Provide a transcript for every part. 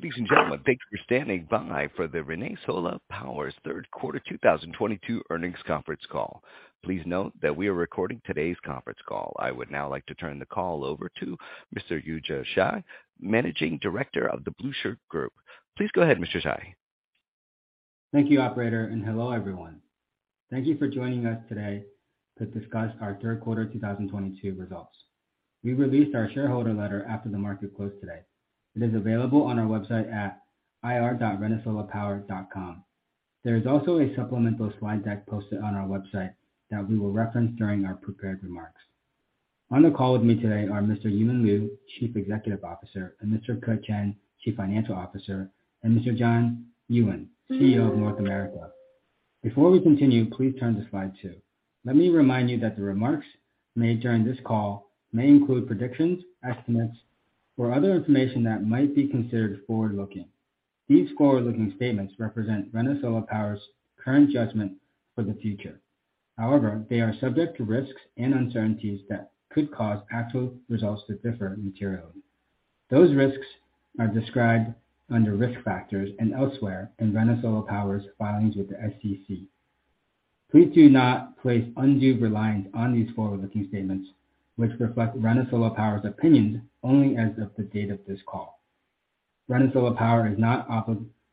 Ladies and gentlemen, thank you for standing by for the ReneSola Power's third quarter 2022 earnings conference call. Please note that we are recording today's conference call. I would now like to turn the call over to Mr. Yujia Zhai, Managing Director of The Blueshirt Group. Please go ahead, Mr. Zhai. Thank you, operator. Hello everyone. Thank you for joining us today to discuss our third quarter 2022 results. We released our shareholder letter after the market closed today. It is available on our website at ir.renesolapower.com. There is also a supplemental slide deck posted on our website that we will reference during our prepared remarks. On the call with me today are Mr. Yumin Liu, Chief Executive Officer, and Mr. Ke Chen, Chief Financial Officer, and Mr. John Ewen, CEO of North America. Before we continue, please turn to slide two. Let me remind you that the remarks made during this call may include predictions, estimates, or other information that might be considered forward-looking. These forward-looking statements represent ReneSola Power's current judgment for the future. They are subject to risks and uncertainties that could cause actual results to differ materially. Those risks are described under risk factors and elsewhere in ReneSola Power's filings with the SEC. Please do not place undue reliance on these forward-looking statements, which reflect ReneSola Power's opinions only as of the date of this call. ReneSola Power is not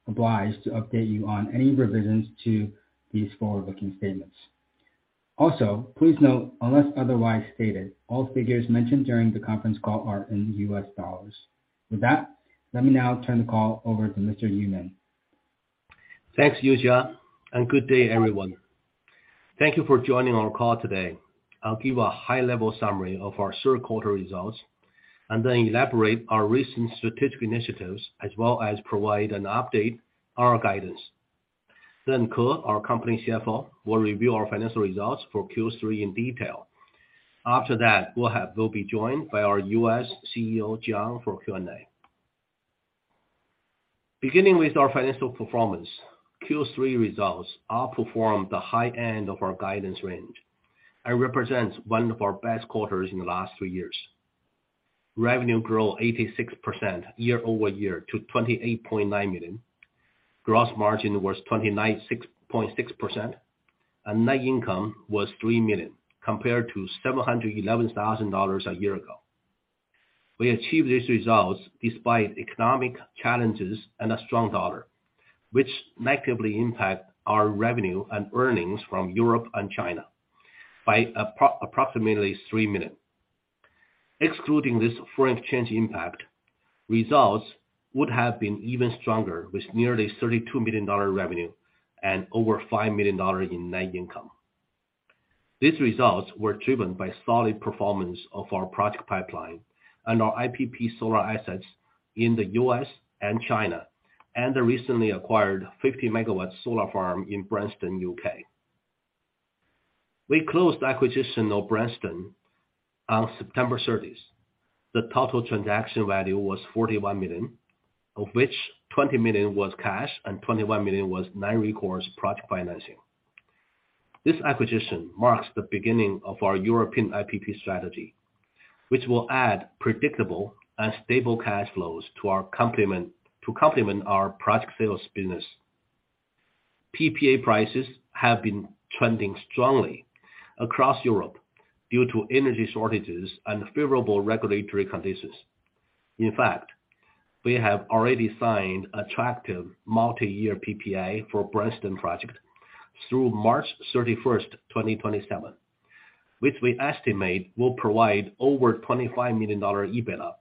obliged to update you on any revisions to these forward-looking statements. Also, please note, unless otherwise stated, all figures mentioned during the conference call are in US dollars. With that, let me now turn the call over to Mr. Yumin. Thanks, Yujia, and good day, everyone. Thank you for joining our call today. I'll give a high-level summary of our third quarter results and then elaborate our recent strategic initiatives as well as provide an update on our guidance. Ke, our company CFO, will review our financial results for Q3 in detail. After that, we'll be joined by our U.S. CEO, John, for Q&A. Beginning with our financial performance, Q3 results outperformed the high end of our guidance range and represents one of our best quarters in the last three years. Revenue grew 86% year-over-year to $28.9 million. Gross margin was 29.6%, and net income was $3 million, compared to $711,000 a year ago. We achieved these results despite economic challenges and a strong dollar, which negatively impact our revenue and earnings from Europe and China by approximately $3 million. Excluding this foreign change impact, results would have been even stronger, with nearly $32 million revenue and over $5 million in net income. These results were driven by solid performance of our project pipeline and our IPP solar assets in the U.S. and China, and the recently acquired 50 MW solar farm in Branston, UK. We closed the acquisition of Branston on September 30th. The total transaction value was $41 million, of which $20 million was cash and $21 million was non-recourse project financing. This acquisition marks the beginning of our European IPP strategy, which will add predictable and stable cash flows to complement our project sales business. PPA prices have been trending strongly across Europe due to energy shortages and favorable regulatory conditions. In fact, we have already signed attractive multi-year PPA for Branston project through March 31, 2027, which we estimate will provide over $25 million EBITDA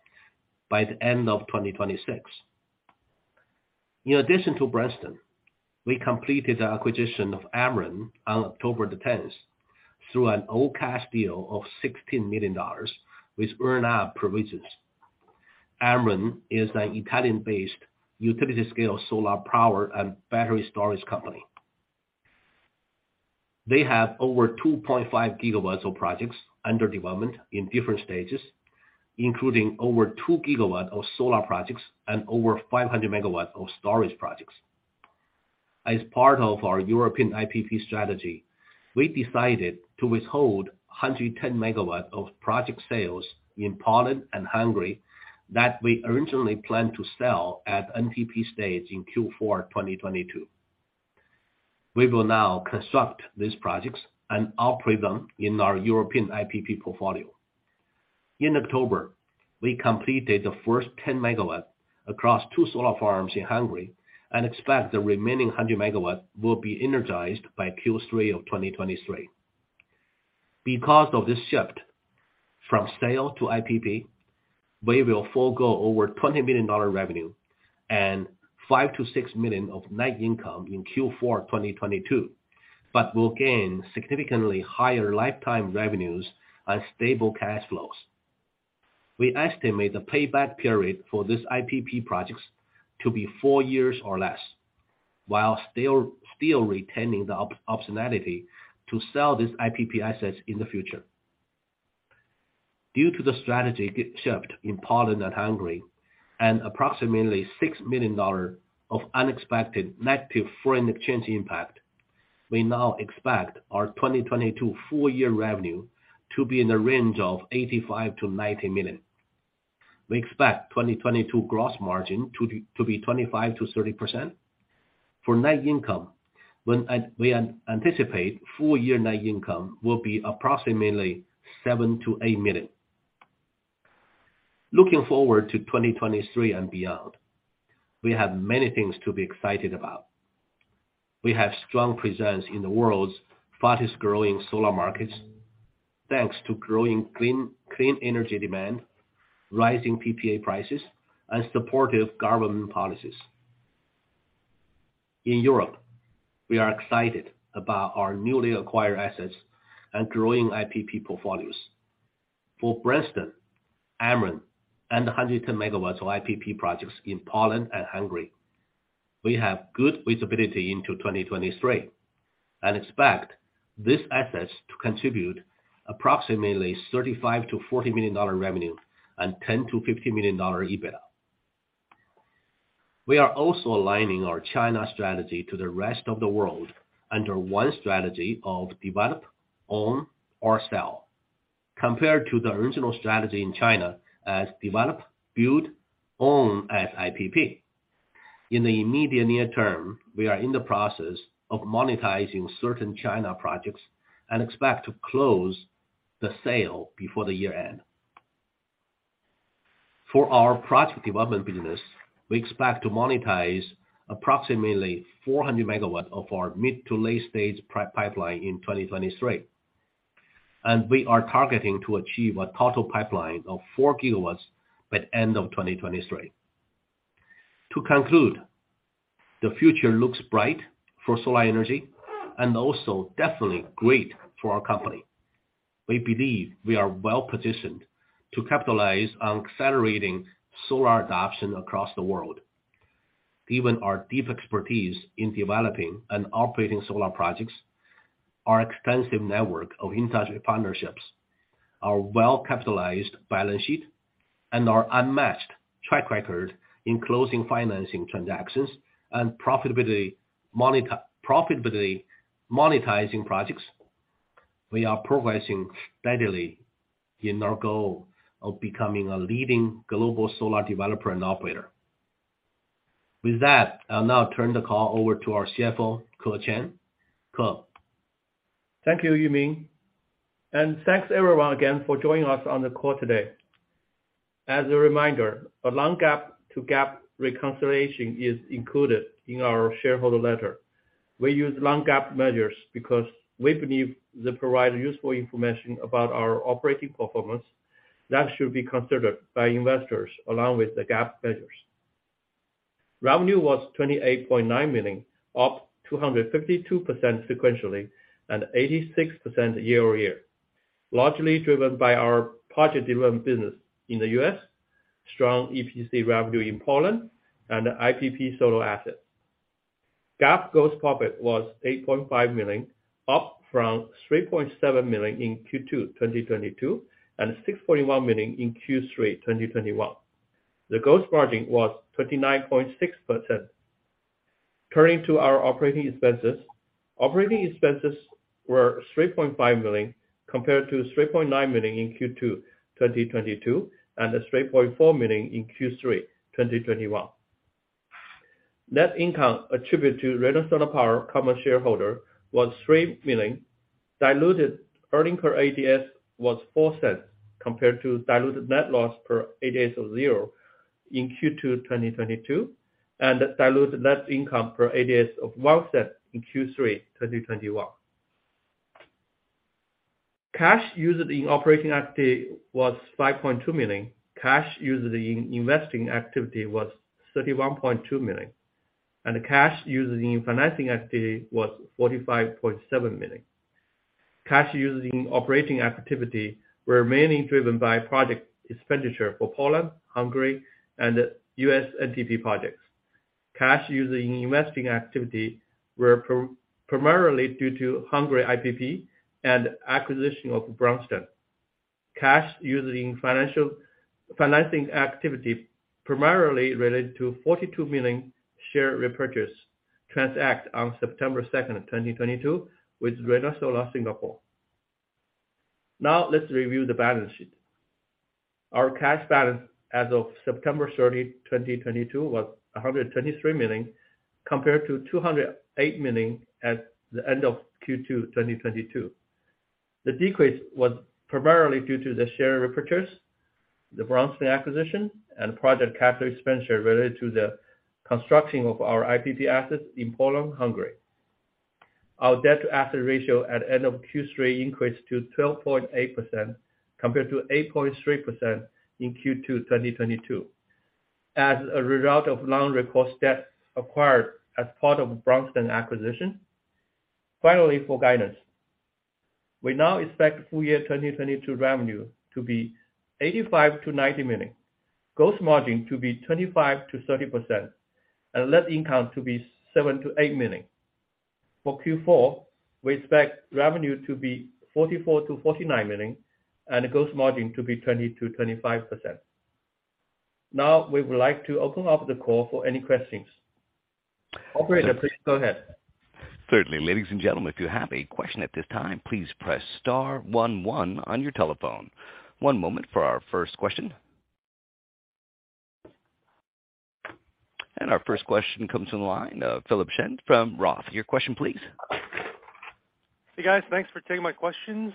by the end of 2026. In addition to Branston, we completed the acquisition of Emeren on October 10 through an all cash deal of $16 million with earn-out provisions. Emeren is an Italian-based utility-scale solar power and battery storage company. They have over 2.5 GW of projects under development in different stages, including over 2 GW of solar projects and over 500 MW of storage projects. As part of our European IPP strategy, we decided to withhold 110 MW of project sales in Poland and Hungary that we originally planned to sell at NTP stage in Q4 2022. We will now construct these projects and operate them in our European IPP portfolio. In October, we completed the first 10 MW across two solar farms in Hungary and expect the remaining 100 MW will be energized by Q3 of 2023. Of this shift from sale to IPP, we will forego over $20 million revenue and $5 million-$6 million of net income in Q4 2022, but will gain significantly higher lifetime revenues and stable cash flows. We estimate the payback period for these IPP projects to be 4 years or less, while still retaining the optionality to sell these IPP assets in the future. Due to the strategy shift in Poland and Hungary and approximately $6 million of unexpected negative foreign exchange impact. We now expect our 2022 full year revenue to be in the range of $85 million-$90 million. We expect 2022 gross margin to be 25%-30%. For net income, we anticipate full year net income will be approximately $7 million-$8 million. Looking forward to 2023 and beyond, we have many things to be excited about. We have strong presence in the world's fastest growing solar markets, thanks to growing clean energy demand, rising PPA prices, and supportive government policies. In Europe, we are excited about our newly acquired assets and growing IPP portfolios. For Branston, Emeren, and the 110 MW of IPP projects in Poland and Hungary, we have good visibility into 2023, and expect these assets to contribute approximately $35 million-$40 million revenue and $10 million-$15 million EBITDA. We are also aligning our China strategy to the rest of the world under one strategy of develop, own, or sell. Compared to the original strategy in China as develop, build, own as IPP. In the immediate near term, we are in the process of monetizing certain China projects and expect to close the sale before the year-end. For our project development business, we expect to monetize approximately 400 MW of our mid to late stage pro-pipeline in 2023. We are targeting to achieve a total pipeline of 4 GW by end of 2023. To conclude, the future looks bright for solar energy and also definitely great for our company. We believe we are well-positioned to capitalize on accelerating solar adoption across the world. Given our deep expertise in developing and operating solar projects, our extensive network of industry partnerships, our well-capitalized balance sheet, and our unmatched track record in closing financing transactions and profitability monetizing projects, we are progressing steadily in our goal of becoming a leading global solar developer and operator. With that, I'll now turn the call over to our CFO, Ke Chen. Ke? Thank you, Yumin, and thanks everyone again for joining us on the call today. As a reminder, a non-GAAP to GAAP reconciliation is included in our shareholder letter. We use non-GAAP measures because we believe they provide useful information about our operating performance that should be considered by investors along with the GAAP measures. Revenue was $28.9 million, up 252% sequentially, and 86% year-over-year. Largely driven by our project development business in the U.S., strong EPC revenue in Poland, and IPP solar assets. GAAP gross profit was $8.5 million, up from $3.7 million in Q2 2022, and $6.1 million in Q3 2021. The gross margin was 39.6%. Turning to our operating expenses. Operating expenses were $3.5 million compared to $3.9 million in Q2 2022, and $3.4 million in Q3 2021. Net income attributed to ReneSola Power common shareholder was $3 million. Diluted earning per ADS was $0.04 compared to diluted net loss per ADS of $0 in Q2 2022, and diluted net income per ADS of $0.01 in Q3 2021. Cash used in operating activity was $5.2 million. Cash used in investing activity was $31.2 million. Cash used in financing activity was $45.7 million. Cash used in operating activity were mainly driven by project expenditure for Poland, Hungary, and U.S. NTP projects. Cash used in investing activity were primarily due to Hungary IPP and acquisition of Branston. Cash used in financing activity primarily related to $42 million share repurchase transact on September 2, 2022 with ReneSola Singapore. Let's review the balance sheet. Our cash balance as of September 30, 2022 was $123 million, compared to $208 million at the end of Q2 2022. The decrease was primarily due to the share repurchases, the Branston acquisition, and project capital expenditure related to the construction of our IPP assets in Poland, Hungary. Our debt to asset ratio at end of Q3 increased to 12.8% compared to 8.3% in Q2 2022 as a result of loan recourse debt acquired as part of Branston acquisition. For guidance. We now expect full year 2022 revenue to be $85 million-$90 million, gross margin to be 25%-30%, and net income to be $7 million-$8 million. For Q4, we expect revenue to be $44 million-$49 million, and gross margin to be 20%-25%. We would like to open up the call for any questions. Operator, please go ahead. Certainly. Ladies and gentlemen, if you have a question at this time, please press star one one on your telephone. One moment for our first question. Our first question comes from the line of Philip Shen from Roth. Your question please. Hey, guys. Thanks for taking my questions.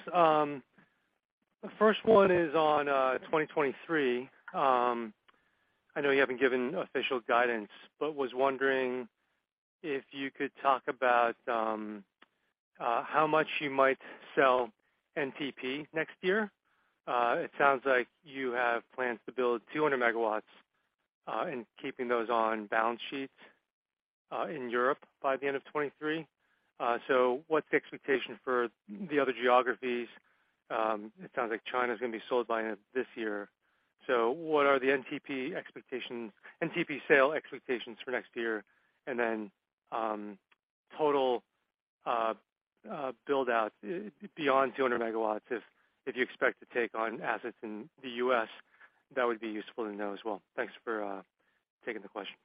The first one is on 2023. I know you haven't given official guidance, was wondering if you could talk about how much you might sell NTP next year. It sounds like you have plans to build 200 MW and keeping those on balance sheets in Europe by the end of 2023. What's the expectation for the other geographies? It sounds like China is gonna be sold by end of this year. What are the NTP expectations, NTP sale expectations for next year? Total build out beyond 200 MW if you expect to take on assets in the U.S., that would be useful to know as well. Thanks for taking the question.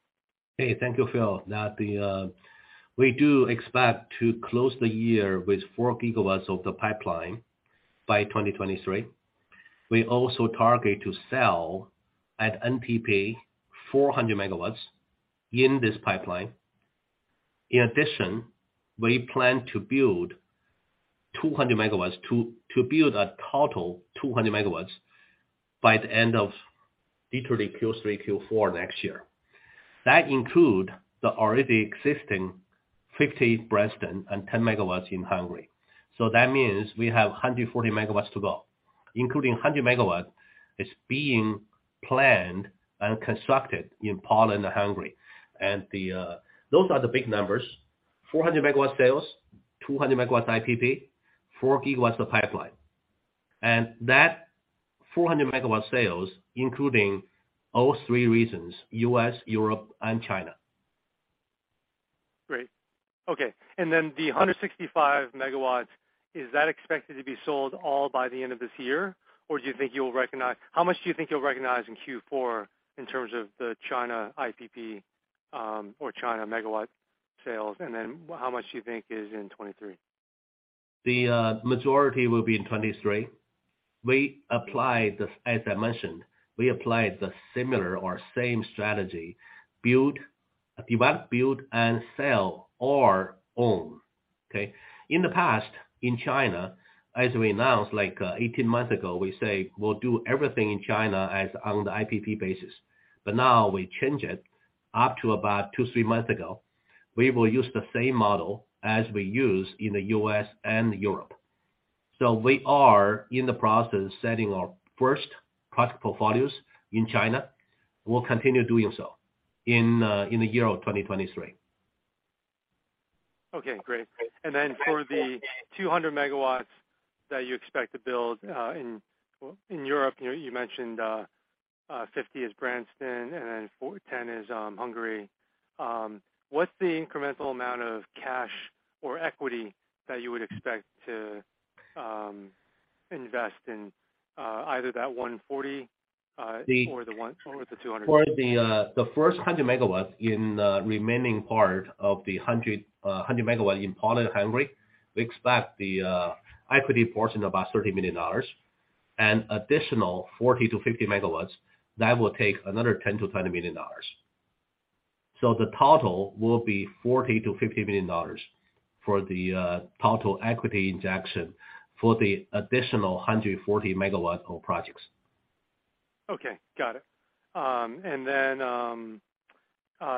Hey, thank you, Phil. We do expect to close the year with 4 GW of the pipeline by 2023. We also target to sell at NTP 400 MW in this pipeline. In addition, we plan to build 200 MW, to build a total 200 MW by the end of literally Q3, Q4 next year. That include the already existing 50 Branston and 10 MW in Hungary. That means we have 140 MW to go, including 100 MW is being planned and constructed in Poland and Hungary. Those are the big numbers, 400 MW sales, 200 MW IPP, 4 GW of pipeline. That 400 MW sales, including all three regions, U.S., Europe and China. Great. Okay. The 165 MW, is that expected to be sold all by the end of this year? How much do you think you'll recognize in Q4 in terms of the China IPP, or China megawatt sales? How much do you think is in 2023? The majority will be in 2023. We apply the, as I mentioned, we apply the similar or same strategy, build, develop, build, and sell or own. Okay? In the past, in China, as we announced like 18 months ago, we say we'll do everything in China as on the IPP basis. Now we change it up to about two, three months ago. We will use the same model as we use in the U.S. and Europe. We are in the process of setting our first project portfolios in China. We'll continue doing so in the year of 2023. Okay, great. For the 200 MW that you expect to build, well, in Europe, you know, you mentioned 50 is Branston, and then 10 is Hungary. What's the incremental amount of cash or equity that you would expect to invest in either that 140 or the 200? For the first 100 MW in the remaining part of the 100 MW in Poland and Hungary, we expect the equity portion about $30 million and additional 40 to 50 MW that will take another $10 million-$20 million. The total will be $40 million-$50 million for the total equity injection for the additional 140 MW of projects. Okay. Got it.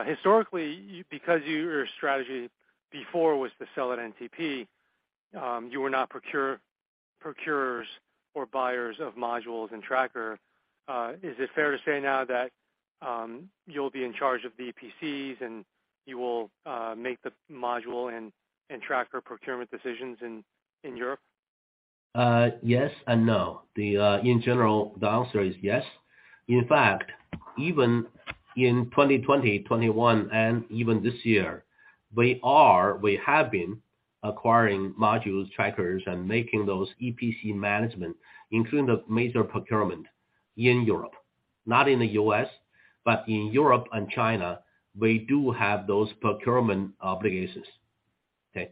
Historically, because your strategy before was to sell at NTP, you were not procurers or buyers of modules and tracker. Is it fair to say now that you'll be in charge of the EPCs and you will make the module and tracker procurement decisions in Europe? Yes and no. The, in general, the answer is yes. In fact, even in 2020, 2021, and even this year, we have been acquiring modules, trackers, and making those EPC management, including the major procurement in Europe. Not in the U.S., but in Europe and China, we do have those procurement obligations. Okay?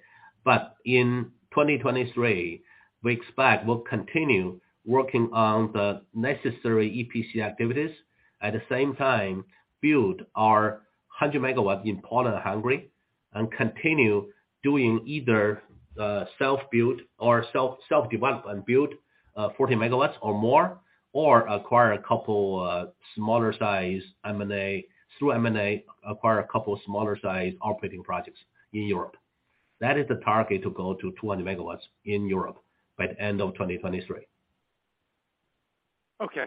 In 2023, we expect we'll continue working on the necessary EPC activities. At the same time, build our 100 MW in Poland and Hungary and continue doing either self-built or self-develop and build 40 MW or more, or acquire a couple smaller size M&A. Through M&A, acquire a couple smaller size operating projects in Europe. That is the target to go to 200 MW in Europe by end of 2023. Okay.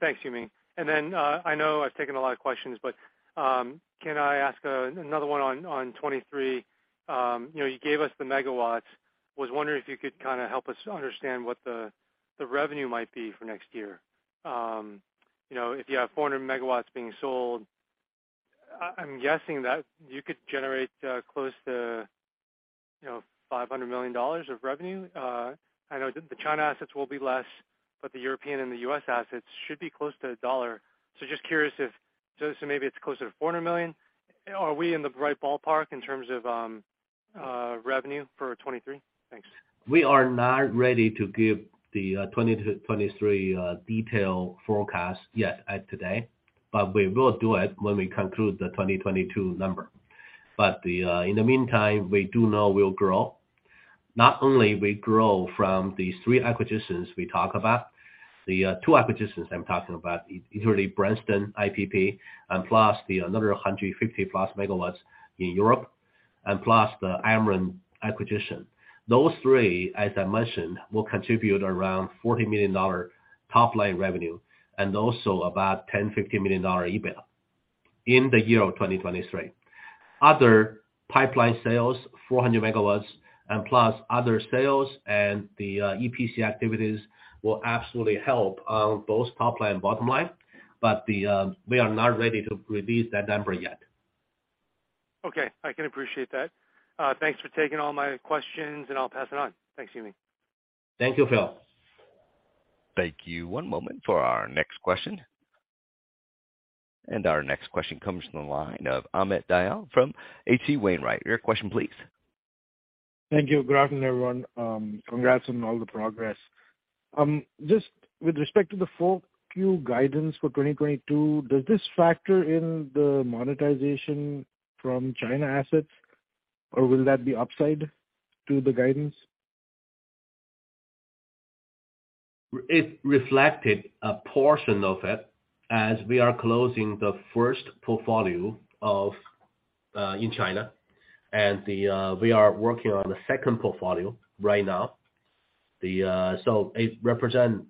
Thanks, Yumin. I know I've taken a lot of questions, but can I ask another one on 23? You know, you gave us the megawatts. Was wondering if you could kinda help us understand what the revenue might be for next year. You know, if you have 400 MW being sold, I'm guessing that you could generate close to, you know, $500 million of revenue. I know the China assets will be less, but the European and the U.S. assets should be close to $1. Just curious if. Maybe it's closer to $400 million. Are we in the right ballpark in terms of revenue for 2023? Thanks. We are not ready to give the 2023 detail forecast yet as today. We will do it when we conclude the 2022 number. In the meantime, we do know we'll grow. Not only we grow from these three acquisitions we talk about. The two acquisitions I'm talking about is really Branston IPP and plus another 150+ MW in Europe and plus the Emeren acquisition. Those three, as I mentioned, will contribute around $40 million top-line revenue and also about $10 million-$50 million EBITDA in the year of 2023. Other pipeline sales, 400 MW and plus other sales and the EPC activities will absolutely help on both top line and bottom line. We are not ready to release that number yet. Okay. I can appreciate that. Thanks for taking all my questions, and I'll pass it on. Thanks, Yumin. Thank you, Phil. Thank you. One moment for our next question. Our next question comes from the line of Amit Dayal from H.C. Wainwright. Your question, please. Thank you. Good afternoon, everyone. congrats on all the progress. just with respect to the full Q guidance for 2022, does this factor in the monetization from China assets, or will that be upside to the guidance? It reflected a portion of it as we are closing the first portfolio of, in China, and the, we are working on the second portfolio right now. It represent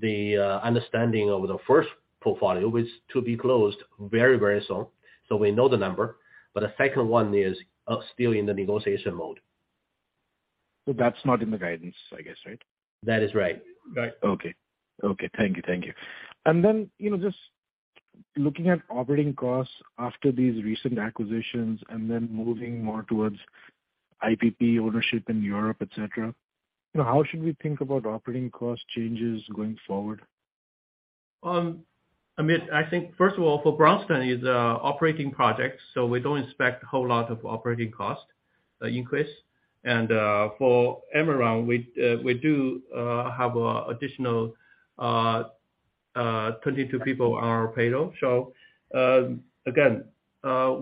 the, understanding of the first portfolio, which to be closed very, very soon. We know the number. The second one is, still in the negotiation mode. That's not in the guidance, I guess, right? That is right. Got it. Okay. Okay. Thank you. Thank you. You know, just looking at operating costs after these recent acquisitions and then moving more towards IPP ownership in Europe, et cetera, you know, how should we think about operating cost changes going forward? Amit, I think first of all, for Branston is operating projects, so we don't expect a whole lot of operating cost increase. For Emeren, we do have a, additional 22 people on our payroll. Again,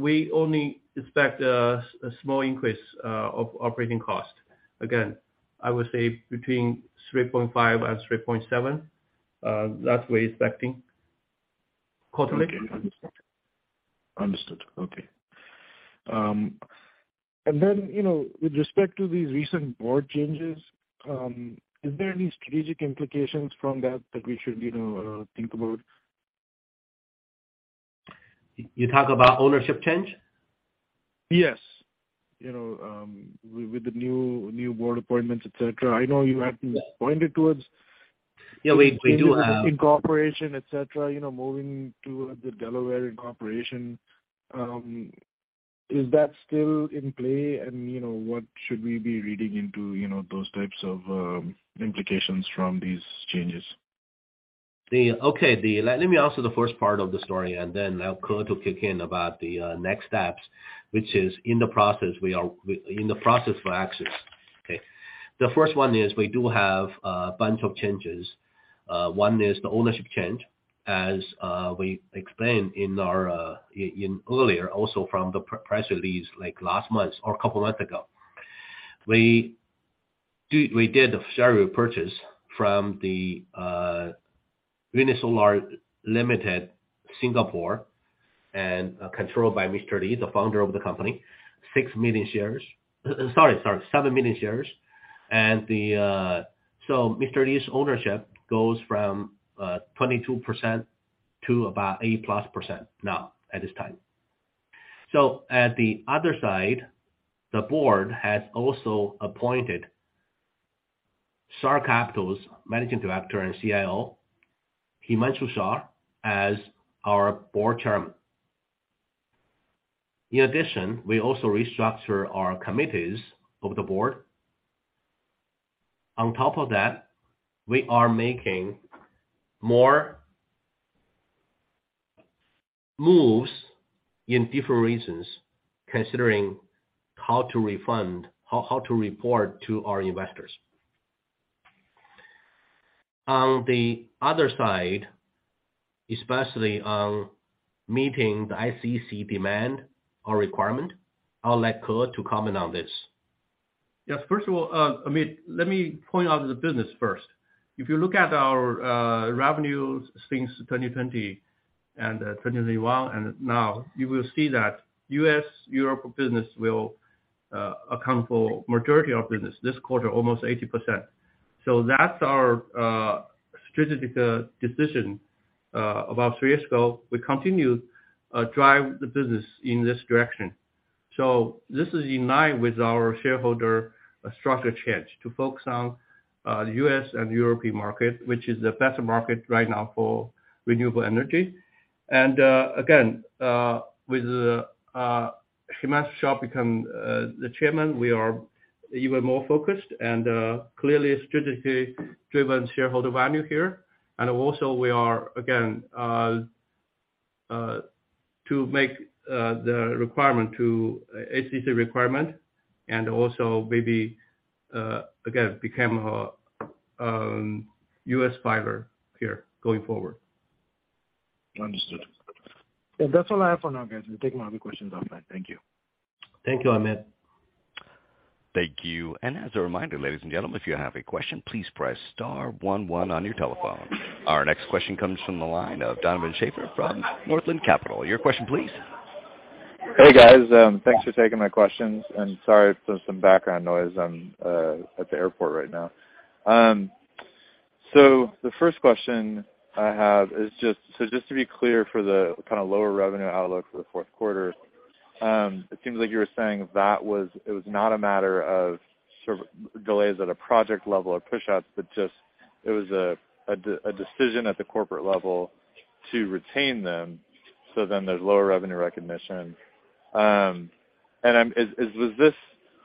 we only expect a small increase of operating cost. Again, I would say between $3.5 and $3.7 that way expecting quarterly. Okay. Understood. Understood. Okay. Then, you know, with respect to these recent board changes, is there any strategic implications from that we should, you know, think about? You talk about ownership change? Yes. You know, with the new board appointments, et cetera. I know you had pointed towards. Yeah, we do have- In corporation, et cetera, you know, moving towards the Delaware Incorporation. Is that still in play? You know, what should we be reading into, you know, those types of implications from these changes? Okay. Let me answer the first part of the story, then I'll Ke to kick in about the next steps, which is in the process we are in the process for access. Okay. The first one is we do have a bunch of changes. One is the ownership change, as we explained in our in earlier, also from the press release, like last month or a couple of months ago. We did the share repurchase from the ReneSola Limited Singapore and controlled by Mr. Li, the founder of the company, 6 million shares. 7 million shares. Mr. Li's ownership goes from 22% to about 8%+ now at this time. At the other side, the board has also appointed Shah Capital's Managing Director and CIO, Himanshu H. Shah, as our Board Chairman. In addition, we also restructure our committees of the board. On top of that, we are making more moves in different regions, considering how to refund, how to report to our investors. On the other side, especially on meeting the SEC demand or requirement, I'll let Ke to comment on this. Yes. First of all, Amit, let me point out the business first. If you look at our revenues since 2020 and 2021, and now you will see that U.S., Europe business will account for majority of business this quarter, almost 80%. That's our strategic decision about three years ago. We continue drive the business in this direction. This is in line with our shareholder structure change to focus on U.S. and European market, which is the best market right now for renewable energy. Again, with Himanshu Shah become the chairman, we are even more focused and clearly strategically driven shareholder value here. Also, we are, again, to make the requirement to SEC requirement and also maybe, again, become a U.S. supplier here going forward. Understood. Yeah, that's all I have for now, guys. We'll take more of your questions offline. Thank you. Thank you, Amit. Thank you. As a reminder, ladies and gentlemen, if you have a question, please press star one one on your telephone. Our next question comes from the line of Donovan Schafer from Northland Capital. Your question, please. Hey, guys. Thanks for taking my questions. Sorry for some background noise, I'm at the airport right now. The first question I have is just, so just to be clear for the kind of lower revenue outlook for the fourth quarter, it seems like you were saying that it was not a matter of sort of delays at a project level or pushouts, but just it was a decision at the corporate level to retain them, so then there's lower revenue recognition. Was this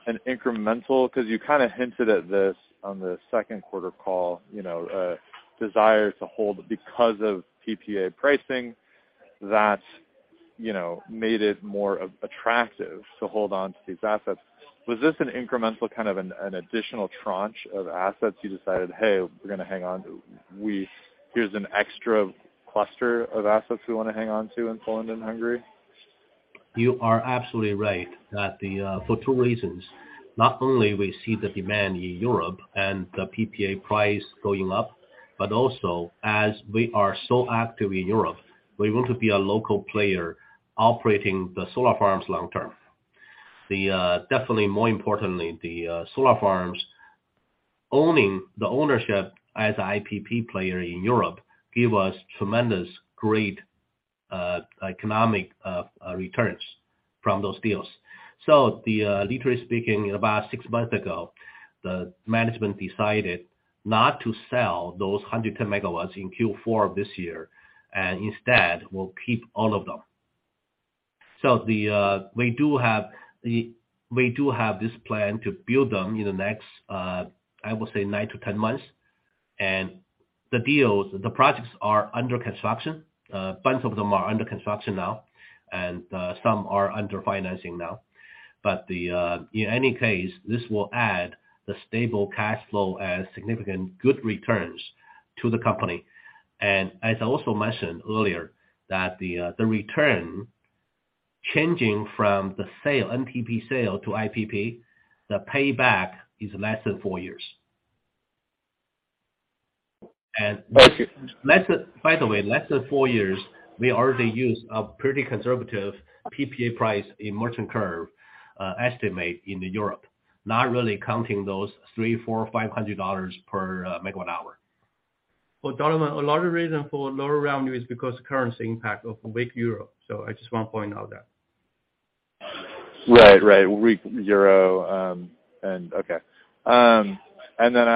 an incremental? Because you kinda hinted at this on the second quarter call, you know, desire to hold because of PPA pricing that, you know, made it more attractive to hold on to these assets. Was this an incremental kind of an additional tranche of assets you decided, "Hey, we're gonna hang on. Here's an extra cluster of assets we wanna hang on to in Poland and Hungary?" You are absolutely right that for two reasons. Not only we see the demand in Europe and the PPA price going up, but also, as we are so active in Europe, we want to be a local player operating the solar farms long term. Definitely more importantly, the solar farms, owning the ownership as IPP player in Europe give us tremendous great economic returns from those deals. Literally speaking, about 6 months ago, the management decided not to sell those 110 MW in Q4 of this year, and instead will keep all of them. We do have this plan to build them in the next, I would say nine to 10 months. The deals, the projects are under construction. Bunch of them are under construction now, and some are under financing now. But in any case, this will add the stable cash flow and significant good returns to the company. As I also mentioned earlier, that the return changing from the sale, NTP sale to IPP, the payback is less than four years. Thank you. Less than, by the way, less than four years, we already use a pretty conservative PPA price in merchant curve, estimate in the Europe, not really counting those $300, $400, $500 per megawatt-hour. For Donovan, a lot of reason for lower revenue is because currency impact of weak euro. I just wanna point out that. Right. Right. Weak EUR, and okay. I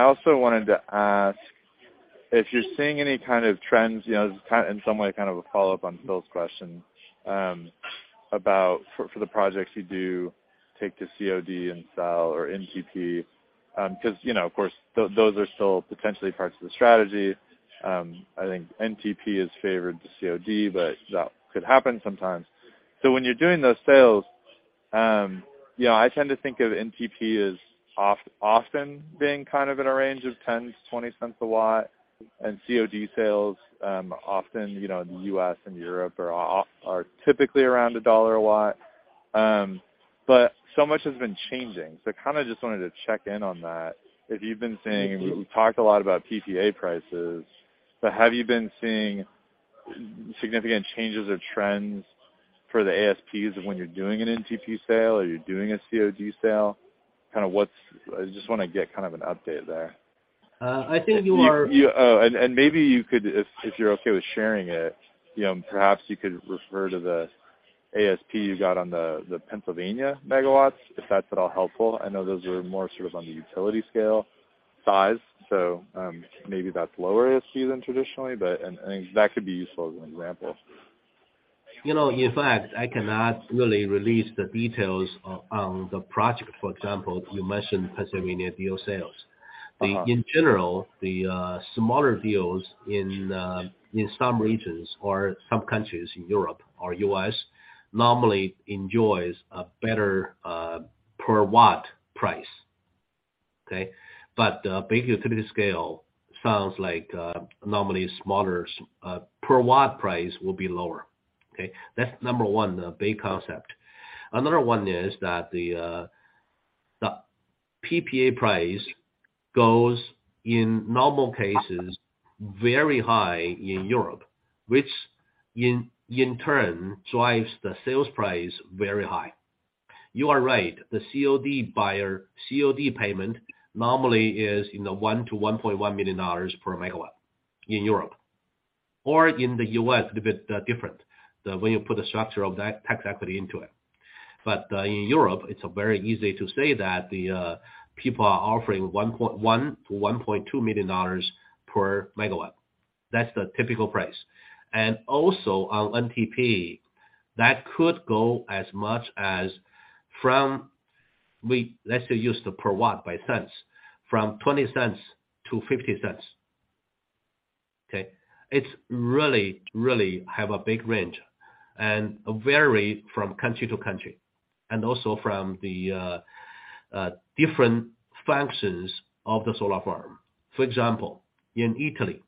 also wanted to ask if you're seeing any kind of trends, you know, this is in some way kind of a follow-up on Phil's question, about for the projects you do take to COD and sell or NTP, 'cause, you know, of course, those are still potentially parts of the strategy. I think NTP has favored the COD, but that could happen sometimes. When you're doing those sales, you know, I tend to think of NTP as often being kind of in a range of $0.10-$0.20 a watt and COD sales, often, you know, in the U.S. and Europe are typically around $1 a watt. So much has been changing. Kind of just wanted to check in on that. If you've been seeing. Thank you. You talked a lot about PPA prices. Have you been seeing significant changes or trends for the ASPs when you're doing an NTP sale or you're doing a COD sale? Kind of I just want to get kind of an update there. I think you are- You. Oh, maybe you could, if you're okay with sharing it, you know, perhaps you could refer to the ASP you got on the Pennsylvania megawatts, if that's at all helpful. I know those are more sort of on the utility scale size, so, maybe that's lower ASP than traditionally, but, and that could be useful as an example. You know, in fact, I cannot really release the details on the project, for example, you mentioned Pennsylvania deal sales. Uh- In general, the smaller deals in some regions or some countries in Europe or U.S. normally enjoys a better per watt price. Okay? Big utility scale sounds like normally smaller per watt price will be lower. Okay? That's number one, the big concept. Another one is that the PPA price goes, in normal cases, very high in Europe, which in turn drives the sales price very high. You are right. The COD buyer, COD payment normally is in the $1 million-$1.1 million per megawatt in Europe. In the U.S. a bit different, the way you put the structure of that tax equity into it. In Europe, it's very easy to say that people are offering $1.1 million-$1.2 million per megawatt. That's the typical price. On NTP, that could go as much as from let's just use the per watt by cents, from $0.20-$0.50. It's really have a big range and vary from country to country, and also from the different functions of the solar farm. For example, in Italy,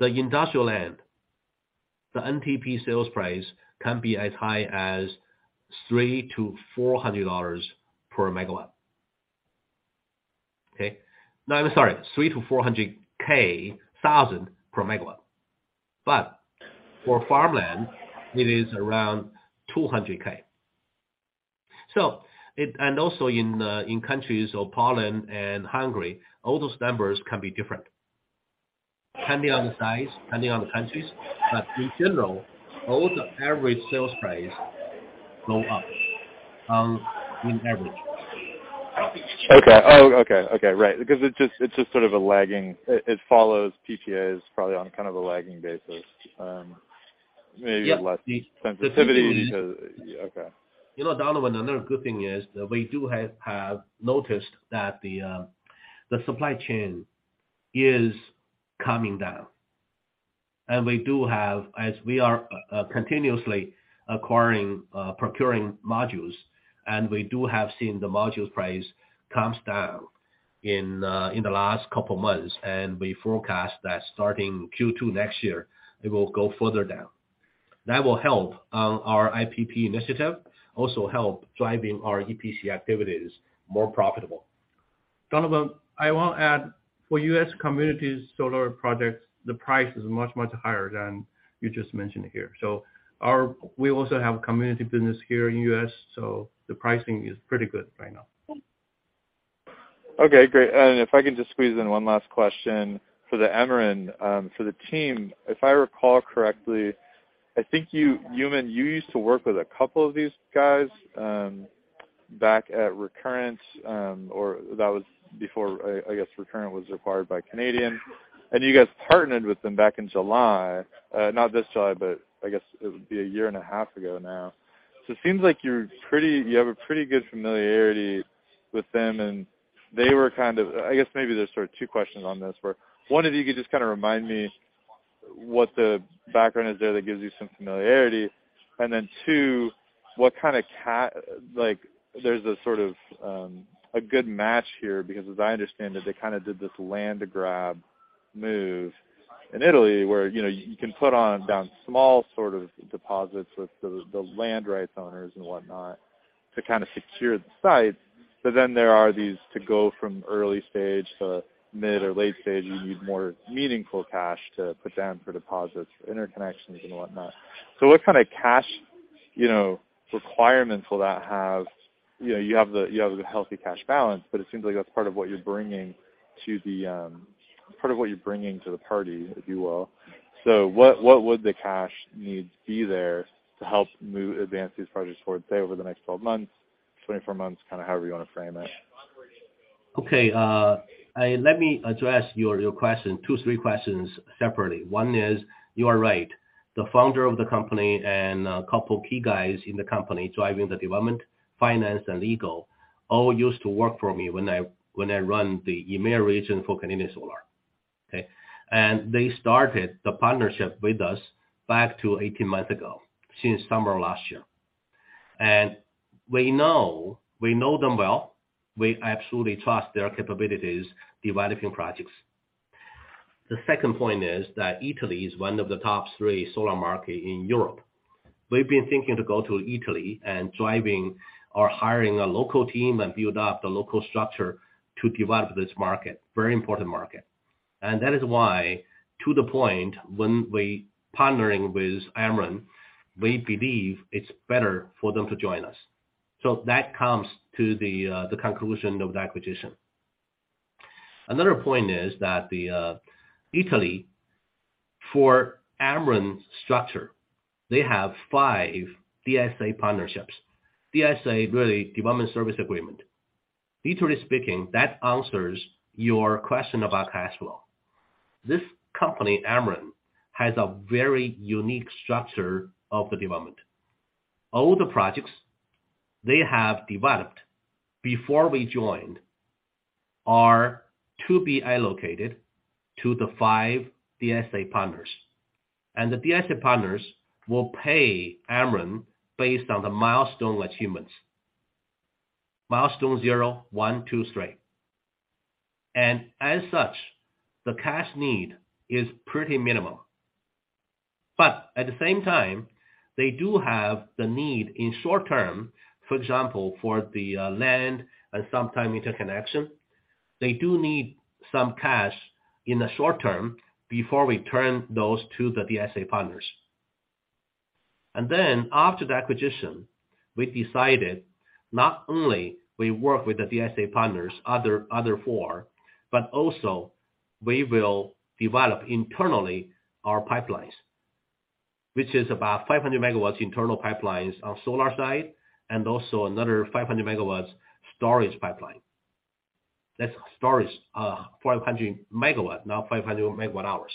the industrial land, the NTP sales price can be as high as $300-$400 per megawatt. No, I'm sorry, $300,000-$400,000 per megawatt. For farmland, it is around $200,000. And also in countries of Poland and Hungary, all those numbers can be different. Depending on the size, depending on the countries. In general, all the average sales price go up in average. Okay. Okay. Okay. Right. It's just sort of a lagging. It follows PPAs probably on kind of a lagging basis. Maybe less sensitivity to. Yeah, okay. You know, Donovan, another good thing is that we do have noticed that the supply chain is coming down. We do have as we are continuously acquiring, procuring modules, we do have seen the modules price comes down in the last couple months. We forecast that starting Q2 next year, it will go further down. That will help our IPP initiative, also help driving our EPC activities more profitable. Donovan, I will add, for U.S. communities solar projects, the price is much, much higher than you just mentioned here. We also have community business here in U.S., so the pricing is pretty good right now. Okay, great. If I can just squeeze in one last question for the Emeren, for the team. If I recall correctly, I think you, Yumin, you used to work with a couple of these guys, back at Recurrent, or that was before, I guess Recurrent was acquired by Canadian, and you guys partnered with them back in July, not this July, but I guess it would be a year and a half ago now. It seems like you have a pretty good familiarity with them, and they were kind of I guess maybe there's sort of two questions on this, where, one, if you could just kinda remind me what the background is there that gives you some familiarity. Two, what kinda like there's a sort of a good match here, because as I understand it, they kinda did this land grab move in Italy where, you know, you can put down small sort of deposits with the land rights owners and whatnot to kinda secure the site. There are these to go from early stage to mid or late stage, you need more meaningful cash to put down for deposits, for interconnections and whatnot. What kinda cash, you know, requirements will that have? You know, you have the healthy cash balance, but it seems like that's part of what you're bringing to the part of what you're bringing to the party, if you will. What would the cash needs be there to help move, advance these projects forward, say, over the next 12 months, 24 months, kinda however you wanna frame it? Okay. Let me address your two, three questions separately. One is, you are right. The founder of the company and a couple key guys in the company driving the development, finance, and legal, all used to work for me when I run the EMEA region for Canadian Solar. Okay. They started the partnership with us back to 18 months ago, since summer of last year. We know them well. We absolutely trust their capabilities developing projects. The second point is that Italy is one of the top 3 solar market in Europe. We've been thinking to go to Italy and driving or hiring a local team and build up the local structure to develop this market, very important market. That is why, to the point, when we partnering with Emeren, we believe it's better for them to join us. That comes to the conclusion of the acquisition. Another point is that Italy, for Emeren's structure, they have 5 DSA partnerships. DSA, really development service agreement. Literally speaking, that answers your question about cash flow. This company, Emeren, has a very unique structure of the development. All the projects they have developed before we joined are to be allocated to the five DSA partners. The DSA partners will pay Emeren based on the milestone achievements. Milestone 0, 1, 2, 3. As such, the cash need is pretty minimal. At the same time, they do have the need in short term, for example, for the land and sometime interconnection, they do need some cash in the short term before we turn those to the DSA partners. After the acquisition, we decided not only we work with the DSA partners, other four, but also we will develop internally our pipelines, which is about 500 MW internal pipelines on solar side and also another 500 MW storage pipeline. That's storage, 500 MW, now 500 MW hours.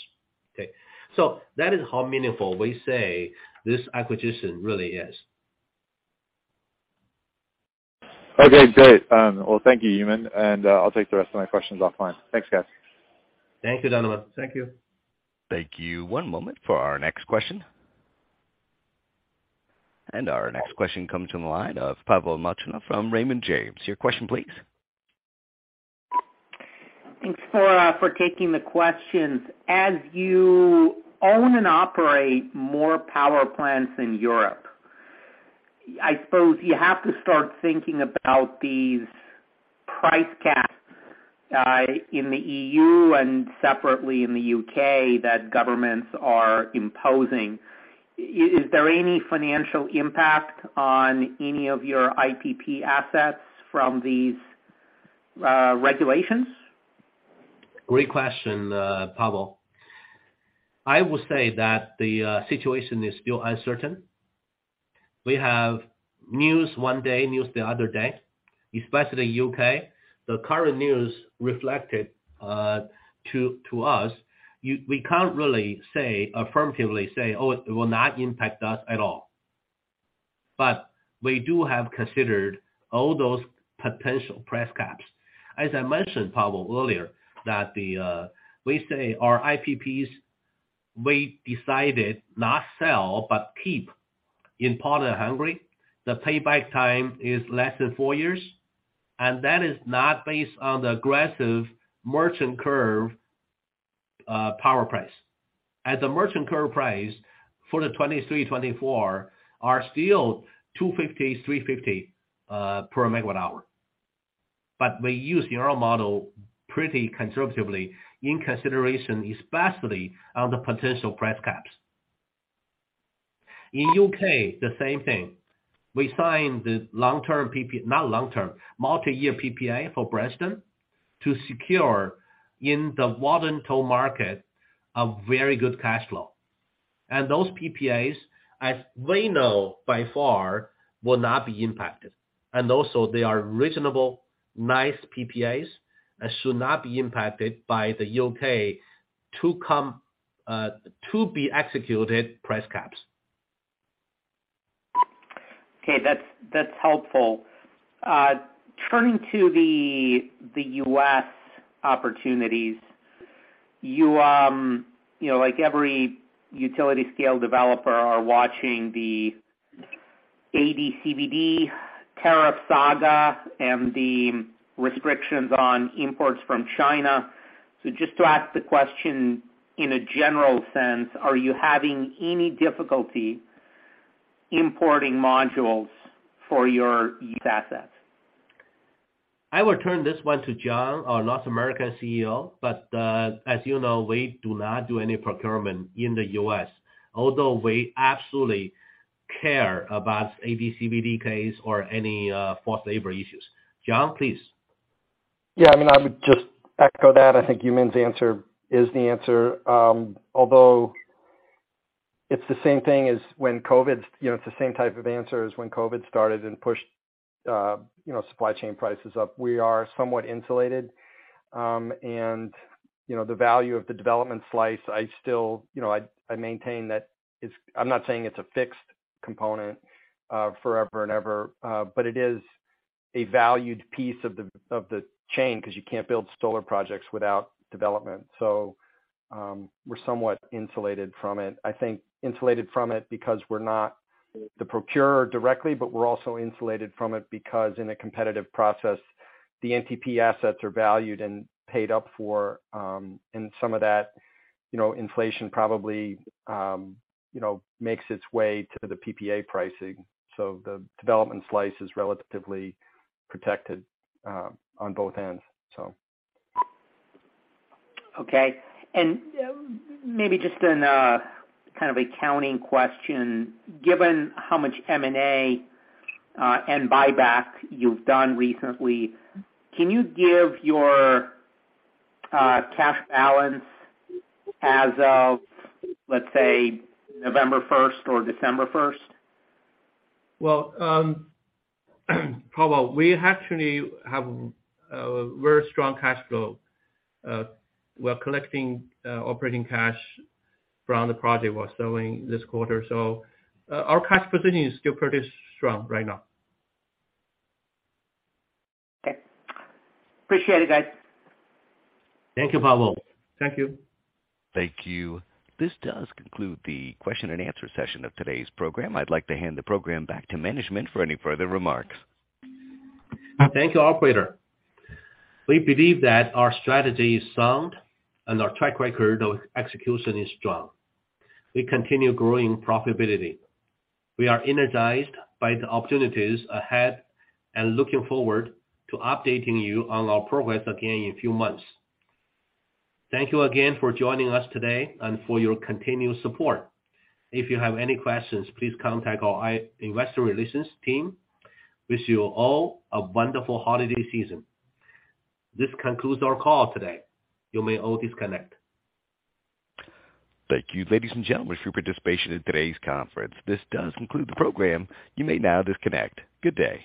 Okay? That is how meaningful we say this acquisition really is. Okay, great. Well, thank you, Yumin. I'll take the rest of my questions offline. Thanks, guys. Thank you, Donovan. Thank you. Thank you. One moment for our next question. Our next question comes from the line of Pavel Molchanov from Raymond James. Your question please. Thanks for for taking the questions. As you own and operate more power plants in Europe, I suppose you have to start thinking about these price caps in the EU and separately in the UK that governments are imposing. Is there any financial impact on any of your IPP assets from these regulations? Great question, Pavel. I will say that the situation is still uncertain. We have news one day, news the other day, especially UK. The current news reflected to us. We can't really say, affirmatively say, "Oh, it will not impact us at all." We do have considered all those potential price caps. As I mentioned, Pavel, earlier that the, we say our IPPs, we decided not sell but keep. In part of Hungary, the payback time is less than four years, and that is not based on the aggressive merchant curve power price. As the merchant curve price for the 2023, 2024 are still $250, $350 per megawatt hour. We use neural model pretty conservatively in consideration, especially on the potential price caps. In UK, the same thing. We signed the long-term PP. Not long-term, multi-year PPA for Branston to secure in the water and tow market a very good cash flow. Those PPAs, as we know by far, will not be impacted. Also they are reasonable, nice PPAs, and should not be impacted by the UK to come, to be executed price caps. Okay. That's helpful. Turning to the U.S. opportunities, you know, like every utility scale developer are watching the AD/CVD tariff saga and the restrictions on imports from China. Just to ask the question in a general sense, are you having any difficulty importing modules for your U.S. assets? I will turn this one to John, our North American CEO. As you know, we do not do any procurement in the U.S., although we absolutely care about AD/CVD case or any false labor issues. John, please. Yeah. I mean, I would just echo that. I think Yumin's answer is the answer. Although it's the same thing as when COVID... You know, it's the same type of answer as when COVID started and pushed, you know, supply chain prices up. We are somewhat insulated. You know, the value of the development slice, I still, you know, I maintain that it's... I'm not saying it's a fixed component forever and ever, but it is a valued piece of the, of the chain 'cause you can't build solar projects without development. We're somewhat insulated from it. I think insulated from it because we're not the procurer directly, but we're also insulated from it because in a competitive process, the NTP assets are valued and paid up for, and some of that, you know, inflation probably, you know, makes its way to the PPA pricing. The development slice is relatively protected, on both ends, so. Okay. Maybe just an kind of a counting question. Given how much M&A and buyback you've done recently, can you give your cash balance as of, let's say, November 1st or December 1st? Well, Pavel, we actually have a very strong cash flow. We're collecting operating cash from the project we're selling this quarter. Our cash position is still pretty strong right now. Okay. Appreciate it, guys. Thank you, Pavel. Thank you. Thank you. This does conclude the question and answer session of today's program. I'd like to hand the program back to management for any further remarks. Thank you, operator. We believe that our strategy is sound and our track record of execution is strong. We continue growing profitability. We are energized by the opportunities ahead and looking forward to updating you on our progress again in a few months. Thank you again for joining us today and for your continued support. If you have any questions, please contact our investor relations team. Wish you all a wonderful holiday season. This concludes our call today. You may all disconnect. Thank you, ladies and gentlemen, for your participation in today's conference. This does conclude the program. You may now disconnect. Good day.